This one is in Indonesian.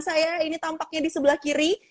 saya ini tampaknya di sebelah kiri